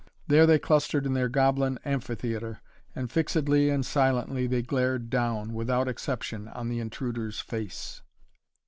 There they clustered in their goblin amphitheatre, and fixedly and silently they glared down, without exception, on the intruder's face.